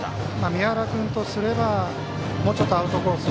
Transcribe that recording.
宮原君からすればもうちょっとアウトコース